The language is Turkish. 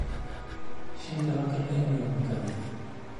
Şimdi hatırlayamıyorum tabii.